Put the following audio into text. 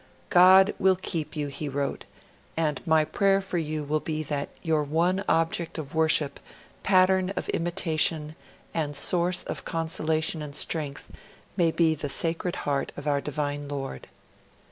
'God will keep you,' he wrote, 'and my prayer for you will be that your one object of worship, Pattern of Imitation, and source of consolation and strength, may be the Sacred Heart of our Divine Lord.'